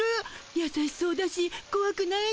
やさしそうだしこわくないし。